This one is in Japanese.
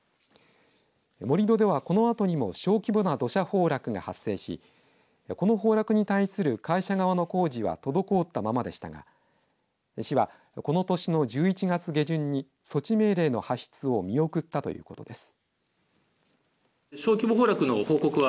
盛り土では、このあとにも小規模な土砂崩落が発生しこの崩落に対する会社側の工事は滞ったままでしたが市は、この年の１１月下旬に措置命令の発出を見送ったということです。